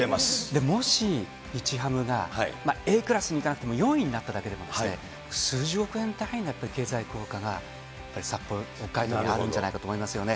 もし日ハムがＡクラスにいかなくても、４位になっただけでも数十億円単位のやっぱり経済効果が、やっぱり北海道にはあるんじゃないかと思いますよね。